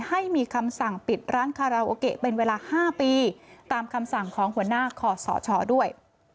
ให้มีคำสั่งปิดร้านคาราโอเกะเป็นเวลา๕ปีตามคำสั่งของหัวหน้าขอสชด้วย